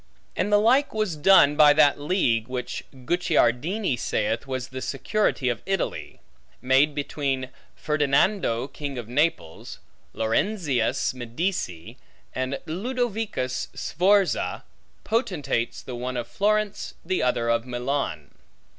And the like was done by that league (which Guicciardini saith was the security of Italy) made between Ferdinando King of Naples, Lorenzius Medici, and Ludovicus Sforza, potentates, the one of Florence, the other of Milan.